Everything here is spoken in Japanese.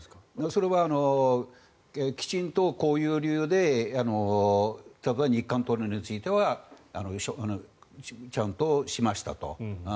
それはきちんとこういう理由で例えば日韓トンネルについてはちゃんとしましたと。